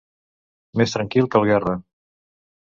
Més tranquil que el Guerra.